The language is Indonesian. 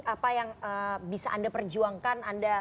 apa yang bisa anda perjuangkan